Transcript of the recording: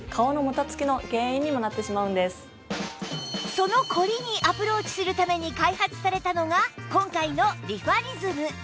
そのコリにアプローチするために開発されたのが今回のリファリズム